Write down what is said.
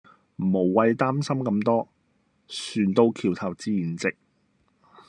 無謂擔心咁多船到橋頭自然直